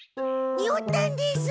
におったんです。